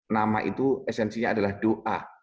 nama itu esensinya adalah doa